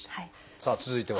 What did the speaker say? さあ続いては。